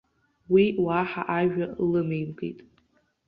Уи уаҳа ажәа лымеимкит.